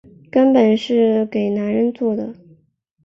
根本是给男人做的